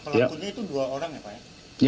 pelakunya itu dua orang ya pak ya